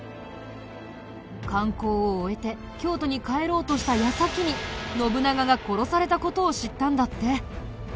観光を終えて京都に帰ろうとした矢先に信長が殺された事を知ったんだって。